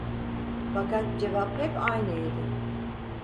Fakat cevap hep aynıydı.